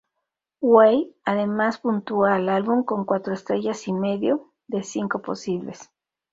Huey además puntuó al álbum con cuatro estrellas y medio de cinco posibles.